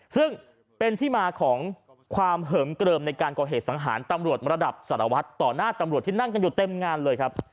ซึ่งเป็นที่มาของความเหิมเกลิมในการก่อเหตุสังหารตำรวจระดับสารวัตรต่อหน้าตำรวจที่นั่งกันอยู่เต็มงานเลยครับ